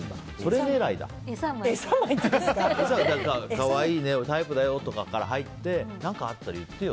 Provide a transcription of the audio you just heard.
かわいいねタイプだよとかから入って、何かあったら言ってよ